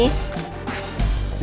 kita pulang aja